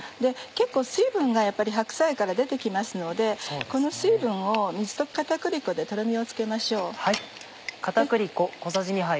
結構水分がやっぱり白菜から出て来ますのでこの水分を水溶き片栗粉でとろみをつけましょう。